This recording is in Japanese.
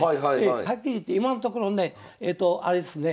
はっきり言って今のところねえとあれですね